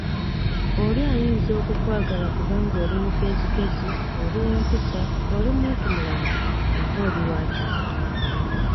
Oli ayinza okukwagala kubanga oli mugezigezi, oli wa mpisa, oli muntumulamu ate oli wa kisa.